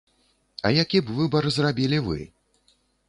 А які б выбар зрабілі вы?